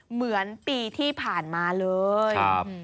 เหมือนปีที่ผ่านมาเลย